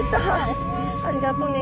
ありがとうね。